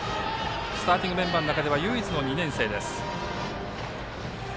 スターティングメンバーの中では唯一の２年生です。